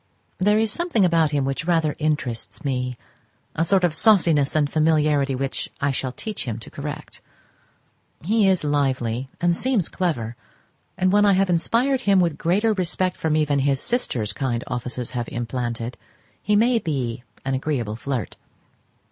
There is something about him which rather interests me, a sort of sauciness and familiarity which I shall teach him to correct. He is lively, and seems clever, and when I have inspired him with greater respect for me than his sister's kind offices have implanted, he may be an agreeable flirt.